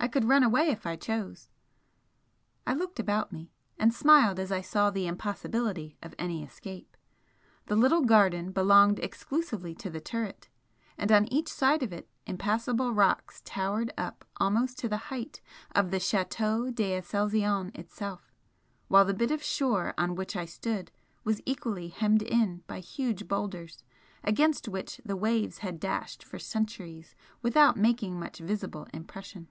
I could run away if I chose! I looked about me and smiled as I saw the impossibility of any escape. The little garden belonged exclusively to the turret, and on each side of it impassable rocks towered up almost to the height of the Chateau d'Aselzion itself, while the bit of shore on which I stood was equally hemmed in by huge boulders against which the waves had dashed for centuries without making much visible impression.